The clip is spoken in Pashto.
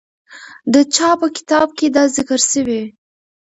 د چا په کتاب کې دا ذکر سوی؟